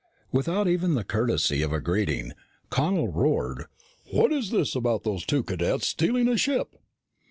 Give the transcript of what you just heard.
Without even the courtesy of a greeting, Connel roared, "What's this about those two cadets stealing a ship?"